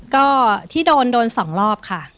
ก็ที่โดนโดน๒รอบค่ะ